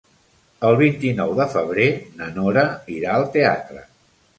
El vint-i-nou de febrer na Nora irà al teatre.